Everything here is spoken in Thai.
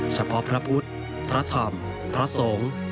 เฉพาะพระพุทธพระธรรมพระสงฆ์